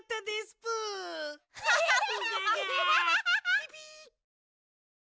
ピピ！